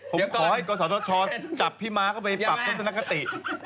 ผมขอให้กษัตริย์ศาสตร์ชอบพี่ม้าเข้าไปปรับสนักกติ